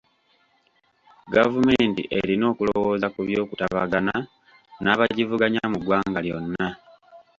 Gavumenti erina okulowooza ku by'okutabagana n'abagivuganya mu ggwanga lyonna.